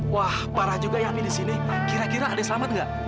wah parah juga ya api disini kira kira ada yang selamat nggak